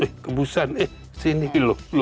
eh ke busan eh sini loh